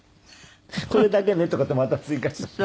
「これだけね」とかってまた追加しちゃって。